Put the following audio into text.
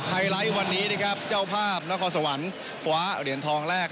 ไลท์วันนี้นะครับเจ้าภาพนครสวรรค์คว้าเหรียญทองแรก